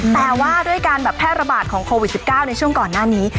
แต่ว่าด้วยการแบบแพร่ระบาดของโควิด๑๙ในช่วงก่อนหน้านี้